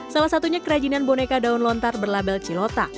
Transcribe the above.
salah satunya kerajinan boneka daun lontar berlabel cilota